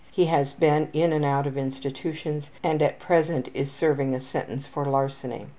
He has been in and out of institutions and at present is serving a sentence for larceny.